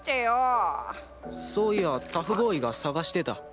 そういやタフボーイが探してた。